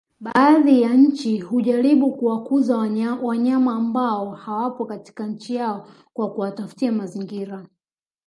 Baadhi ya nchi hujaribu kuwakuza wanyama ambao hawapo katika nchi yao kwa kuwatafutia mazingira